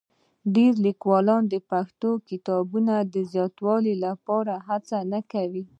ډېری لیکوالان د پښتو کتابونو د زیاتوالي لپاره هڅه نه کوي.